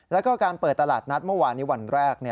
แล้วก็การเปิดตลาดนัดเมื่อวานนี้วันแรก